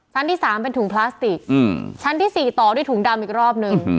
ที่๓เป็นถุงพลาสติกชั้นที่๔ต่อด้วยถุงดำอีกรอบนึง